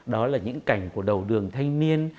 đó là những cảnh của đầu đường thanh niên